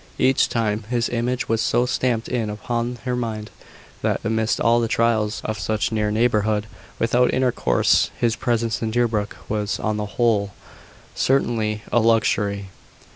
Each time, his image was so stamped in upon her mind, that, amidst all the trials of such near neighbourhood without intercourse, his presence in Deerbrook was, on the whole, certainly a luxury.